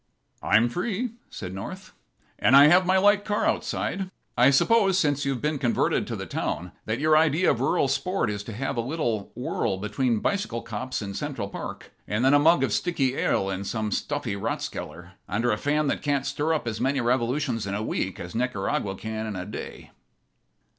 "I'm free," said North, "and I have my light car outside. I suppose, since you've been converted to the town, that your idea of rural sport is to have a little whirl between bicycle cops in Central Park and then a mug of sticky ale in some stuffy rathskeller under a fan that can't stir up as many revolutions in a week as Nicaragua can in a day."